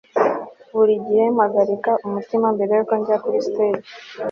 buri gihe mpagarika umutima mbere yuko njya kuri stage